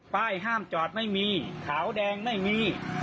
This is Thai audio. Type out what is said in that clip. ป้ายห้ามจอดไม่มีขาวแดงไม่มี